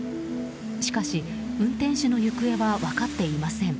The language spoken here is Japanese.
しかし、運転手の行方は分かっていません。